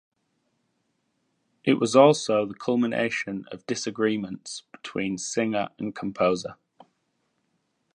It was also the culmination of disagreements between singer and composer.